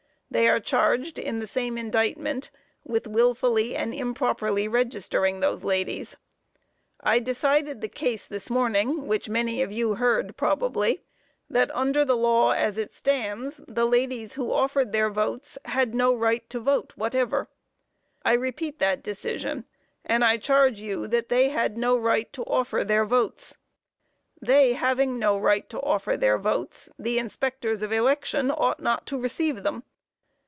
They are charged in the same indictment with willfully and improperly registering those ladies. I decided in the case this morning, which many of you heard, probably, that under the law as it stands the ladies who offered their votes had no right to vote whatever. I repeat that decision, and I charge you that they had no right to offer their votes. They having no right to offer their votes, the inspectors of election ought not to receive them.